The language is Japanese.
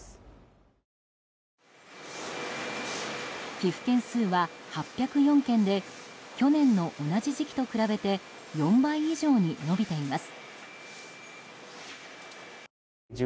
寄付件数は８０４件で去年の同じ時期と比べて４倍以上に伸びています。